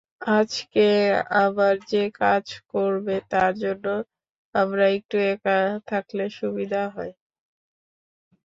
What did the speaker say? আজকে আমরা যে কাজ করবো, তার জন্য আমরা একটু একা থাকলে সুবিধা হয়?